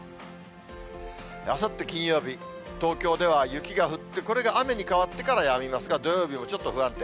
あさって金曜日、東京では雪が降って、これが雨に変わってからやみますが、土曜日もちょっと不安定。